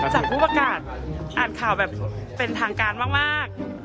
จากผู้ประกาศอ่านข่าวแบบเป็นทางการมาก